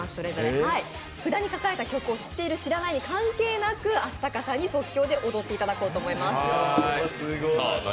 札に書かれた曲を知っている知らないにかかわらずＡＳＨＩＴＡＫＡさんに即興で踊っていただこうと思います。